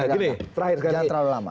jangan terlalu lama